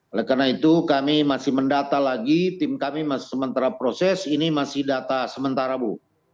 oleh karena itu kami masih mendata lagi tim kami sementara proses ini masih data sementara bu